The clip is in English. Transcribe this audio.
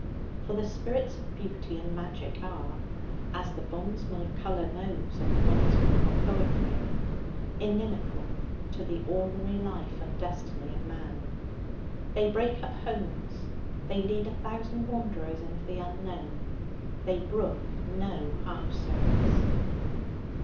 For the spirits of beauty and magic are (as the bondsman of colour knows and the bondsman of poetry) inimical to the ordinary life and destiny of man. They break up homes. They lead a thousand wanderers into the unknown. They brook no half service.